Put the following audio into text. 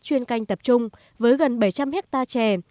chuyên canh tập trung với gần bảy trăm linh hectare chè